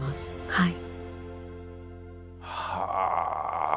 はい。